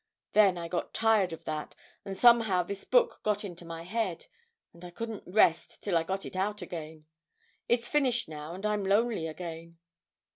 Then I got tired of that, and somehow this book got into my head, and I couldn't rest till I'd got it out again. It's finished now, and I'm lonely again.'